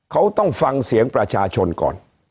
เขาต้องฟังเสียงประชาชนก่อน